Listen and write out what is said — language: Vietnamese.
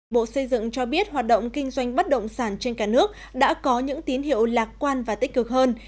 bộ xây dựng cho biết hoạt động kinh doanh bất động sản trên cả nước đã có những tín hiệu lạc quan và tích cực hơn